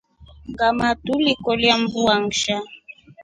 Ngʼaama tulikolya mvua nsha.